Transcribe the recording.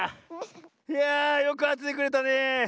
いやよくあててくれたねえ。